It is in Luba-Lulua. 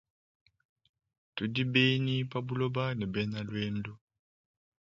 Tudi benyi pa buloba ne bena luendu.